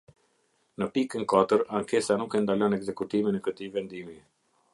Në pikën katër Ankesa nuk e ndalon ekzekutimin e këtij vendimi.